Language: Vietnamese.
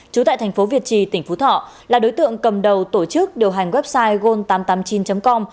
trú tại thành phố việt trì tỉnh phú thọ là đối tượng cầm đầu tổ chức điều hành website gold tám trăm tám mươi chín com